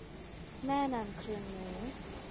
แนะนำเครื่องมือ